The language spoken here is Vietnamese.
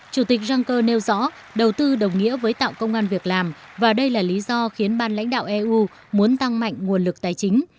chủ tịch juncker nêu rõ đầu tư đồng nghĩa với tạo công an việc làm và đây là lý do khiến ban lãnh đạo eu muốn tăng mạnh nguồn lực tài chính